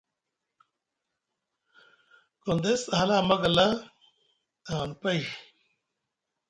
Gondes a hala a magala ahani pay.